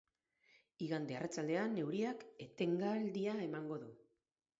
Igande arratsaldean euriak etenaldia emango du.